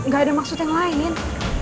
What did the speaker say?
gak ada maksud yang lain kan